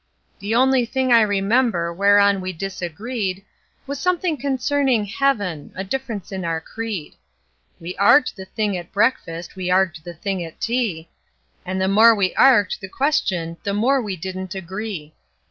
The first thing I remember whereon we disagreed Was something concerning heaven a difference in our creed; We arg'ed the thing at breakfast, we arg'ed the thing at tea, And the more we arg'ed the question the more we didn't agree.